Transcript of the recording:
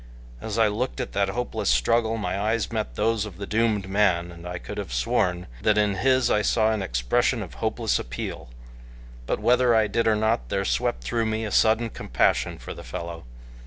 As I looked at that hopeless struggle my eyes met those of the doomed man, and I could have sworn that in his I saw an expression of hopeless appeal. But whether I did or not there swept through me a sudden compassion for the fellow.